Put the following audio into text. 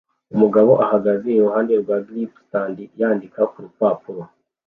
Umugabo ahagaze iruhande rwa grip stand yandika kurupapuro